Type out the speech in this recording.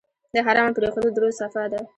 د حرامو پرېښودل د روح صفا ده.